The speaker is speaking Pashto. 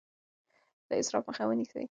د اسراف مخه ونیسئ.